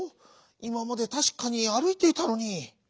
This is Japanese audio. いままでたしかにあるいていたのに」。